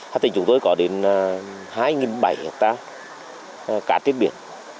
hà tĩnh chúng tôi có đến hai bảy trăm linh hectare cát trên biển